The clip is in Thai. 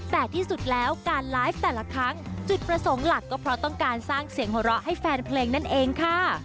แต่ที่สุดแล้วการไลฟ์แต่ละครั้งจุดประสงค์หลักก็เพราะต้องการสร้างเสียงหัวเราะให้แฟนเพลงนั่นเองค่ะ